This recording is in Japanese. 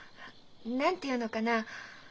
何て言うのかな？